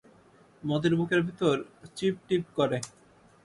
মতির বুকের ভিতর চিপটিপ করে।